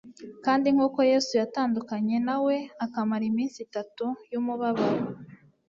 Kandi nk'uko Yesu yatandukanye na we akamara iminsi itatu y'umubabaro,